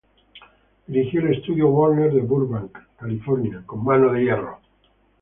Dirigió el estudio Warner de Burbank, California con mano de hierro.